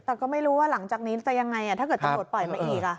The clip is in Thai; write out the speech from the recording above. แต่ก็ไม่รู้ว่าหลังจากนี้จะยังไงถ้าเกิดตำรวจปล่อยมาอีก